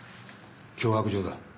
脅迫状だ！